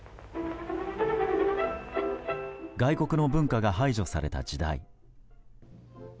外国の文化が排除された時代。